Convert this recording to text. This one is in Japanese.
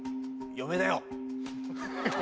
嫁だよ。